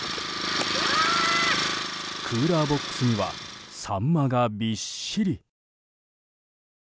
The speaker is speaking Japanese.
クーラーボックスにはサンマがびっしり。